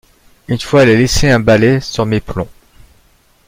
Une fois, il a laissé un balai sur mes plombs.